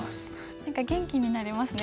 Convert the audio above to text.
何か元気になれますね。